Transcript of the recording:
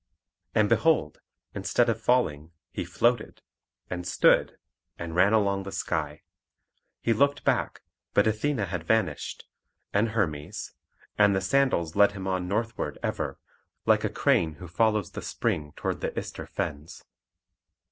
And behold, instead of falling he floated, and stood, and ran along the sky. He looked back, but Athene had vanished, and Hermes; and the sandals led him on northward ever, like a crane who follows the spring toward the Ister fens.